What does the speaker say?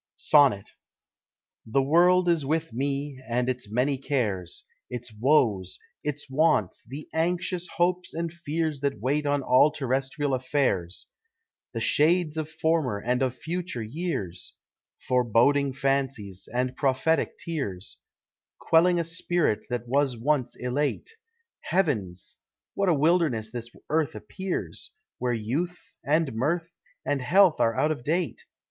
SONNET. The world is with me, and its many cares, Its woes its wants the anxious hopes and fears That wait on all terrestrial affairs The shades of former and of future years Foreboding fancies, and prophetic tears, Quelling a spirit that was once elate: Heavens! what a wilderness the earth appears, Where Youth, and Mirth, and Health are out of date!